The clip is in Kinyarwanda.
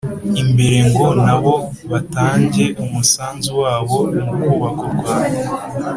imbere ngo na bo batange umusanzu wabo mu kubaka u Rwanda.